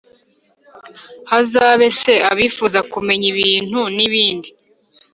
Hazabe se abifuza kumenya ibintu n’ibindi?